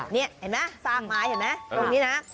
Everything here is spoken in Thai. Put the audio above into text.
นี่เห็นไหมซากไม้เห็นไหมตรงนี้นะ